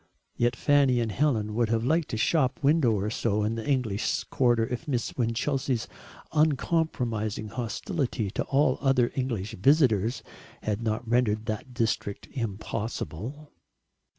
Yet Fanny and Helen would have liked a shop window or so in the English quarter if Miss Winchelsea's uncompromising hostility to all other English visitors had not rendered that district impossible.